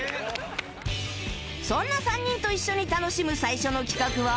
そんな３人と一緒に楽しむ最初の企画は